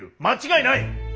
間違いない！